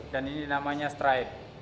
dan ini namanya stride